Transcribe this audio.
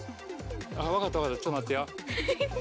分かった分かったちょっと待ってや。